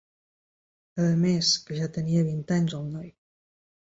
Ademés, que ja tenia vint anys el noi